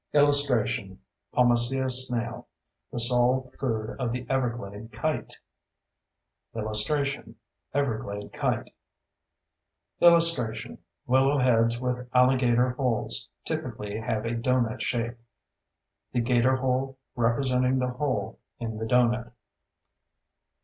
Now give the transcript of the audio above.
[Illustration: POMACEA SNAIL—The sole food of the everglade kite] [Illustration: EVERGLADE KITE] [Illustration: Willow heads with alligator holes typically have a doughnut shape—the gator hole representing the hole in the doughnut.